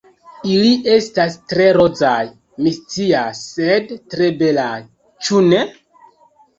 Ili estas tre rozaj, mi scias sed tre belaj, ĉu ne?